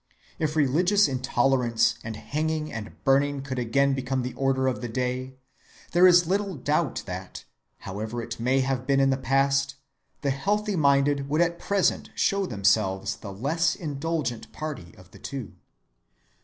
If religious intolerance and hanging and burning could again become the order of the day, there is little doubt that, however it may have been in the past, the healthy‐minded would at present show themselves the less indulgent party of the two.